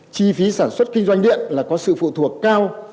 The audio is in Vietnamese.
chi phí sản xuất kinh doanh điện là có sự phụ thuộc cao